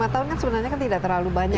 lima tahun sebenarnya tidak terlalu banyak